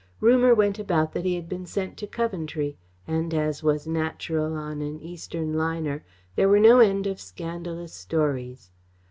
Rumour went about that he had been sent to Coventry, and, as was natural, on an Eastern liner, there were no end of scandalous stories.